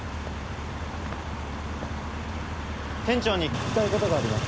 店長に聞きたいことがあります。